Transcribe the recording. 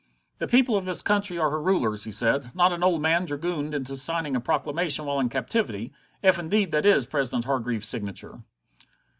"The people of this country are her rulers," he said, "not an old man dragooned into signing a proclamation while in captivity if indeed that is President Hargreaves's signature."